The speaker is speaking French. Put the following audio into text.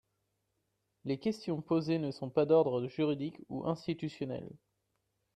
Les questions posées ne sont pas d’ordre juridique ou institutionnel.